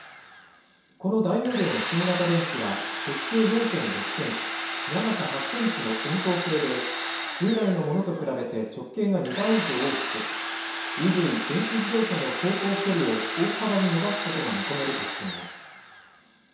この大容量の新型電池は直径４．６センチ、長さ８センチの円筒形で、従来のものと比べて、直径が２倍以上大きく、ＥＶ・電気自動車の走行距離を大幅に伸ばすことが見込めるとしています。